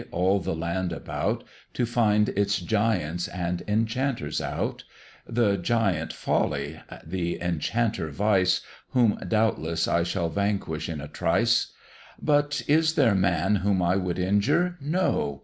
all the land about, To find its Giants and Enchanters out, (The Giant Folly, the Enchanter Vice, Whom doubtless I shall vanquish in a trice;) But is there man whom I would injure? No!